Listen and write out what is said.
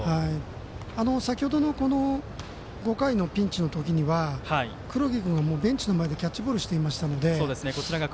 先ほどの５回のピンチの時には黒木君がベンチの前でキャッチボールしていましたので。